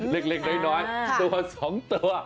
เล็กน้อยตัว๒ตัว